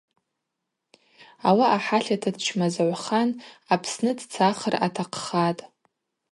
Ауаъа хӏатлата дчмазагӏвхан Апсны дцахра атахъхатӏ.